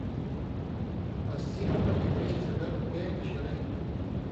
اسی نہ پتَیں قُرېشاں سردار عُتبے مشورہ ہِن